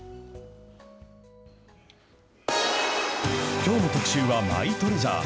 きょうの特集はマイトレジャー。